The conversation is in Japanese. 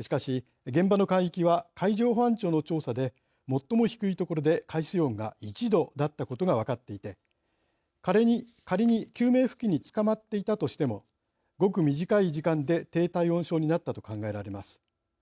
しかし、現場の海域は海上保安庁の調査で最も低い所で海水温が１度だったことが分かっていて、仮に救命浮器につかまっていたとしてもごく短い時間で低体温症になったと考えられます。